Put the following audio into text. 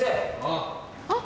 あっ！